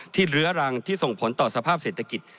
เลื้อรังที่ส่งผลต่อสภาพเศรษฐกิจ